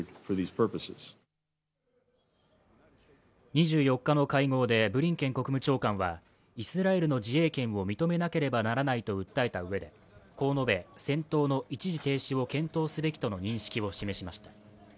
２４日の会合で、ブリンケン国務長官はイスラエルの自衛権を認めなければならないと訴えたうえでこう述べ、戦闘の一時停止を検討すべきとの認識を示しました。